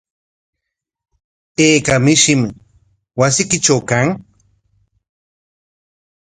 ¿Ayka mishim wasiykitraw kan?